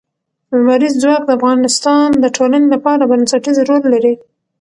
لمریز ځواک د افغانستان د ټولنې لپاره بنسټيز رول لري.